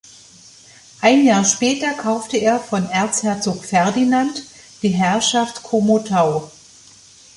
Ein Jahr später kaufte er von Erzherzog Ferdinand die Herrschaft Komotau.